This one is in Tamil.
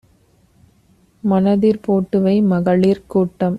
மனதிற் போட்டுவை; மகளிற் கூட்டம்